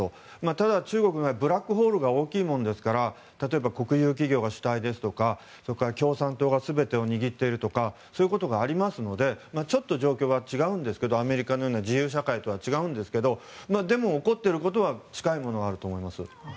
ただ、中国はブラックホールが大きいものですから例えば国有企業が主体ですとかそれから共産党が全てを握っているとかそういうことがありますのでちょっと状況は違うんですけどアメリカのような自由社会とは違うんですがでも、起こっていることは近いものがあると思います。